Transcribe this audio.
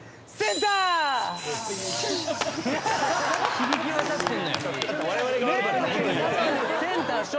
・響き渡ってんのよ。